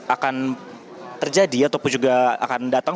akan terjadi ataupun juga akan datang